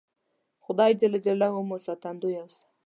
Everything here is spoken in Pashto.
خدای ج مو ساتندویه اوسه